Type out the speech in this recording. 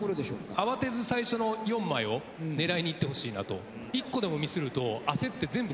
慌てず最初の４枚を狙いにいってほしいなと。